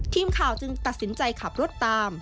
ทีมข่าวจึงตัดสินใจขับรถตาม